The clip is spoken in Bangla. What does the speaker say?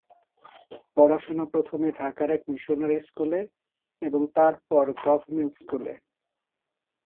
পড়াশোনা প্রথমে ঢাকার এক মিশনারি স্কুলে এবং তারপর ইডেন গভর্নমেন্ট স্কুলে।